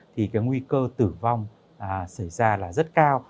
thì cái nguy cơ tử vong xảy ra là rất cao